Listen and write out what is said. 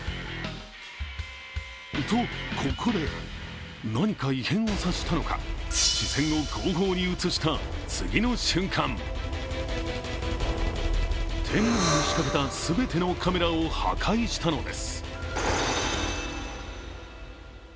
と、ここで、何か異変を察したのか視線を後方に移した次の瞬間、店内に仕掛けた全てのカメラを破壊したのです。